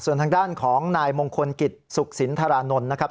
ส่วนทางด้านของนายมงคลกิจสุขสินธารานนท์นะครับ